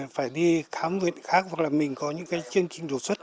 phải đi khám huyện khác hoặc là mình có những chương trình đột xuất